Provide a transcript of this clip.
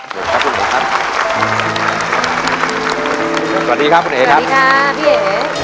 สวัสดีครับคุณเอ๋ครับสวัสดีครับพี่เอ๋